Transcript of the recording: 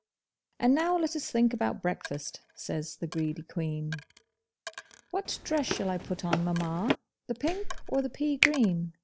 'And now let us think about breakfast,' says the greedy Queen. 'What dress shall I put on, mamma? the pink or the peagreen?